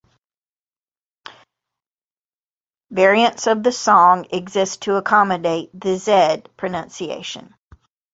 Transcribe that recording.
Variants of the song exist to accommodate the "zed" pronunciation.